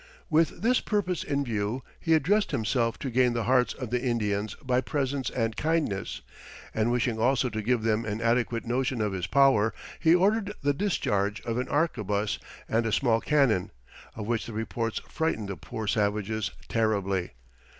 With this purpose in view, he addressed himself to gain the hearts of the Indians by presents and kindness, and wishing also to give them an adequate notion of his power, he ordered the discharge of an arquebuse and a small cannon, of which the reports frightened the poor savages terribly.